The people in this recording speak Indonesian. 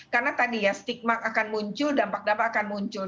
karena tadi ya stigma akan muncul dampak dampak akan muncul